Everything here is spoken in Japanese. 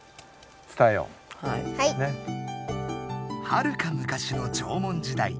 はるか昔の縄文時代。